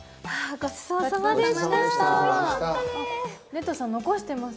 あはい。